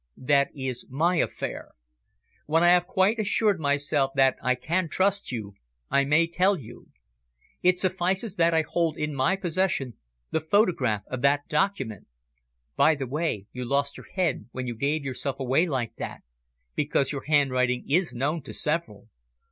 "That is my affair. When I have quite assured myself that I can trust you, I may tell you. It suffices that I hold in my possession the photograph of that document. By the way, you lost your head when you gave yourself away like that, because your handwriting is known to several.